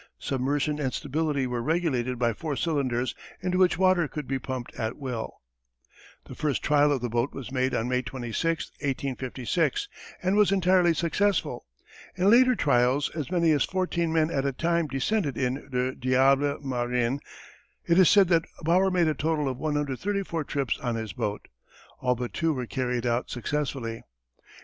Submersion and stability were regulated by four cylinders into which water could be pumped at will. The first trial of the boat was made on May 26, 1856, and was entirely successful. In later trials as many as fourteen men at a time descended in Le Diable Marin. It is said that Bauer made a total of 134 trips on his boat. All but two were carried out successfully.